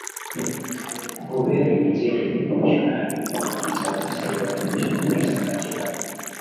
kuhubiri Injili Wamisionari wa Kanisa la Misri walianzisha Kanisa katika